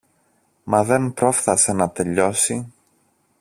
Μα δεν πρόφθασε να τελειώσει.